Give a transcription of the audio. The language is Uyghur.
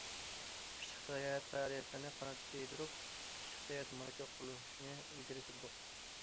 قىشلىق ساياھەت پائالىيەتلىرىنى قانات يايدۇرۇپ، قىشلىق ساياھەت ماركا قۇرۇلۇشىنى ئىلگىرى سۈردۇق.